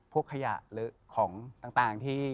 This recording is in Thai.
พวกขยะหรือของต่าง